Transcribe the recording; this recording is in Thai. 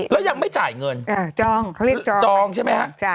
แล้วยังไม่จ่ายเงินจองเขาเรียกจองใช่ไหมฮะ